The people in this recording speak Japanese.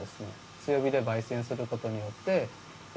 強火でばい煎することによってえ